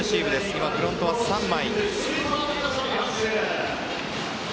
今、フロントは３枚。